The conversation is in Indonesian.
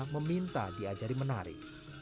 meminta diajari menari